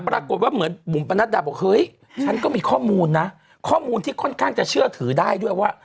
ปรากฏว่าเหมือนบุ๋มประนัดดาบอกเฮ้ยฉันก็มีข้อมูลนะข้อมูลที่ค่อนข้างจะเชื่อถือได้ด้วยว่า